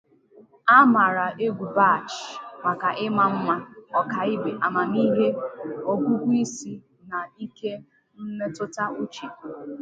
A maara egwu Bach maka ịma mma, ọkaibe, amamiihe, ọgụgụ isi na ike mmetụta uche.